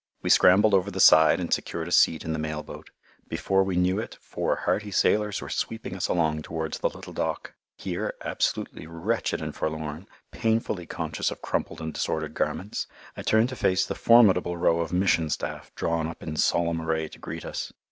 We scrambled over the side and secured a seat in the mail boat. Before we knew it four hearty sailors were sweeping us along towards the little dock. Here, absolutely wretched and forlorn, painfully conscious of crumpled and disordered garments, I turned to face the formidable row of Mission staff drawn up in solemn array to greet us.